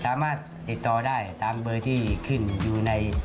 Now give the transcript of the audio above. สามารถติดต่อได้ตามเบอร์ที่ขึ้นอยู่ใน